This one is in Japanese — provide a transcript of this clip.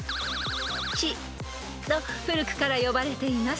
［と古くから呼ばれています］